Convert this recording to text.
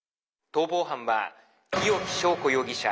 「逃亡犯は日置昭子容疑者。